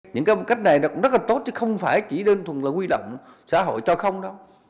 những cách này cũng rất là tốt chứ không phải chỉ đơn thuần là nguy động xã hội cho không đâu